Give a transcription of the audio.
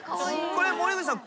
これ森口さん。